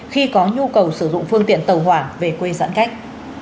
khi có nhu cầu sử dụng phương tiện tàu hỏa về quê giãn cách